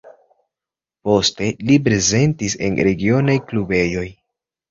Poste li prezentis en regionaj klubejoj.